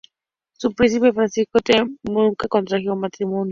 El príncipe Francisco de Teck nunca contrajo matrimonio.